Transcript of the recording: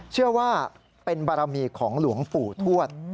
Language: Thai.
เชื่อว่าเป็นบารมีของหลวงปู่ทวด